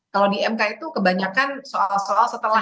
kalau di mk itu kebanyakan soal soal setelah